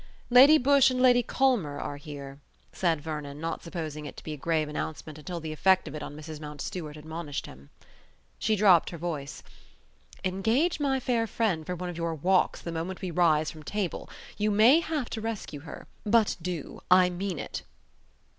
"Lady Busshe and Lady Culmer are here," said Vernon, not supposing it to be a grave announcement until the effect of it on Mrs. Mountstuart admonished him. She dropped her voice: "Engage my fair friend for one of your walks the moment we rise from table. You may have to rescue her; but do. I mean it."